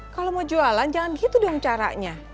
kalau mau jualan jangan gitu dong caranya